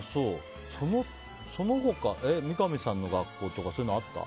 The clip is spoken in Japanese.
その他、三上さんの学校はそういうのあった？